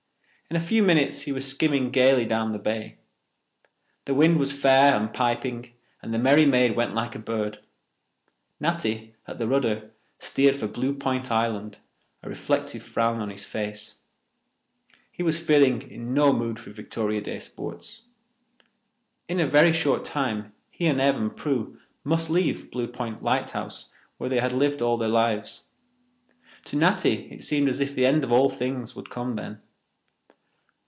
In a few minutes he was skimming gaily down the bay. The wind was fair and piping and the Merry Maid went like a bird. Natty, at the rudder, steered for Blue Point Island, a reflective frown on his face. He was feeling in no mood for Victoria Day sports. In a very short time he and Ev and Prue must leave Blue Point lighthouse, where they had lived all their lives. To Natty it seemed as if the end of all things would come then.